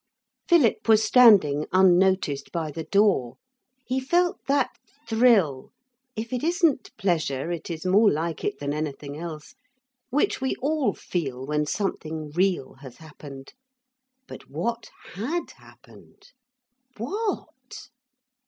Philip was standing unnoticed by the door. He felt that thrill if it isn't pleasure it is more like it than anything else which we all feel when something real has happened. But what had happened. What?